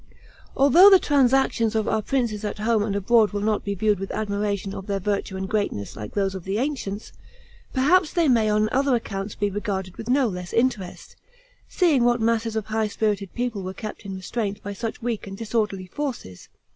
Although the transactions of our princes at home and abroad will not be viewed with admiration of their virtue and greatness like those of the ancients, perhaps they may on other accounts be regarded with no less interest, seeing what masses of high spirited people were kept in restraint by such weak and disorderly forces.